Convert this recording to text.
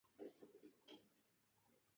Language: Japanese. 人々の間では彼らが裏切ったと噂されている